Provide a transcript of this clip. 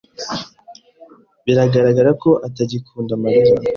Biragaragara ko atagikunda Mariya.